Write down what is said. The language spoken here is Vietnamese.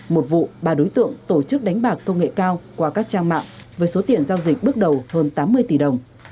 một vụ ba đối tượng tổ chức đánh bạc công nghệ cao qua các trang mạng với số tiền giao dịch bước đầu hơn tám mươi tỷ đồng